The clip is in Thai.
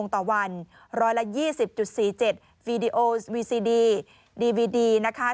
ต่อวันร้อยละยี่สิบจุดสี่เจ็ดวีดีโอวีซีดีดีวีดีนะคะ